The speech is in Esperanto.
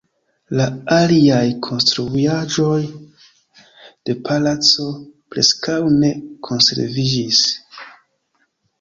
La aliaj konstruaĵoj de la palaco preskaŭ ne konserviĝis.